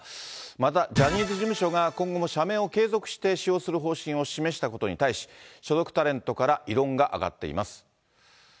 またジャニーズ事務所が今後も社名を継続して使用する方針を示したことに対し、所属タレントから異論が上がっています。